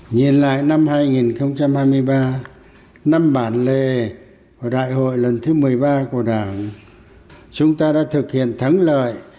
nhìn lại năm hai nghìn hai mươi ba năm bản lề của đại hội lần thứ một mươi ba của đảng chúng ta đã thực hiện thắng lợi